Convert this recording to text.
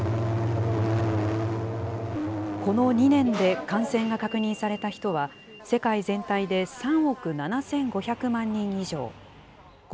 この２年で感染が確認された人は、世界全体で３億７５００万人以上。